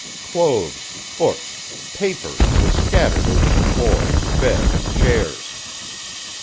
Clothes, books, papers, were scattered over the floor and bed and chairs.